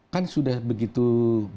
kan sudah begitu banyaknya